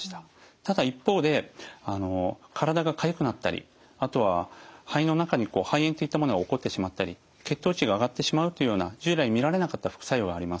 ただ一方で体がかゆくなったりあとは肺の中に肺炎といったものが起こってしまったり血糖値が上がってしまうというような従来見られなかった副作用があります。